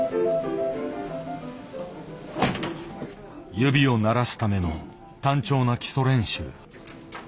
指を慣らすための単調な基礎練習。